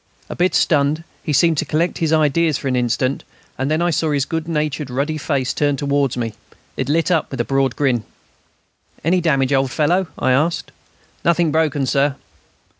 A bit stunned, he seemed to collect his ideas for an instant, and then I saw his good natured ruddy face turned towards me. It lit up with a broad grin. "Any damage, old fellow?" I asked. "Nothing broken, sir."